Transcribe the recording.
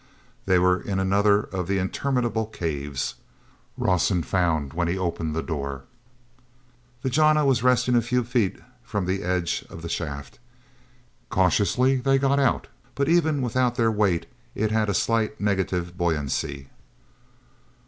hey were in another of the interminable caves, Rawson found when he opened the door. The jana was resting a few feet in from the edge of the shaft. Cautiously they got out, but even without their weight it had a slight negative buoyancy.